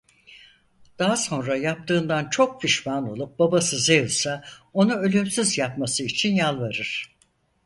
Daha sonra yaptığından çok pişman olup babası Zeus'a onu ölümsüz yapması için yalvarır.